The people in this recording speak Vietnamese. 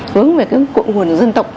hướng về cái cuộn nguồn dân tộc